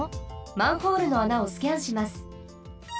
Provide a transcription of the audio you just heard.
マンホールの穴をスキャンします。